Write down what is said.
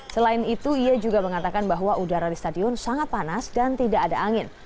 selain itu ia juga mengatakan bahwa udara di stadion sangat panas dan tidak ada angin